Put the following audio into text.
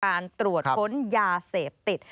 การตรวจค้นยาเสพติด